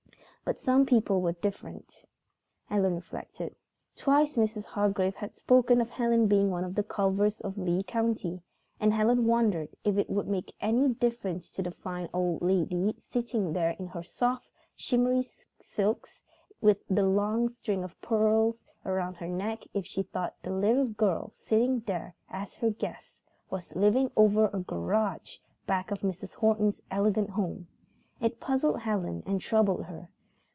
But some people were different, Helen reflected. Twice Mrs. Hargrave had spoken of Helen being one of the Culvers of Lee County, and Helen wondered if it would make any difference to the fine old lady sitting there in her soft, shimmery silks, with the long string of real pearls about her neck if she thought the little girl sitting there as her guest was living over a garage back of Mrs. Horton's elegant home. It puzzled Helen and troubled her.